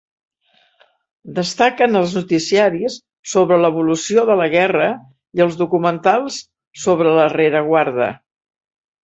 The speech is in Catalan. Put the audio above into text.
Destaquen els noticiaris sobre l'evolució de la Guerra i els documentals sobre la rereguarda.